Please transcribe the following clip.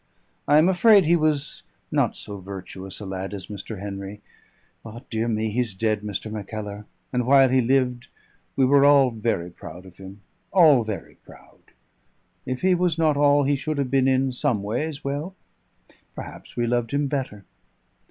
I am afraid he was not so virtuous a lad as Mr. Henry; but dear me, he's dead, Mr. Mackellar! and while he lived we were all very proud of him, all very proud. If he was not all he should have been in some ways, well, perhaps we loved him better!"